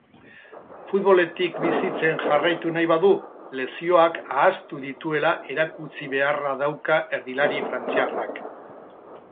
Futboletik bizitzen jarraitu nahi badu lesioak ahaztu dituela erakutsi beharra dauka erdilari frantziarrak.